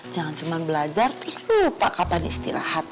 jangan cuma belajar terus lupa kapan istirahat